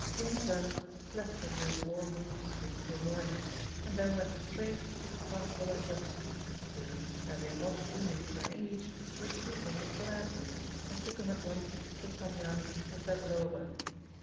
Jendzian slept under his warm wolfskin till morning, and then went straight to Pan Volodyovski, who, as he had not seen him for an age, received him with gladness and took him at once to Pan Yan and Zagloba.